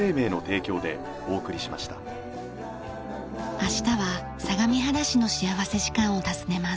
明日は相模原市の幸福時間を訪ねます。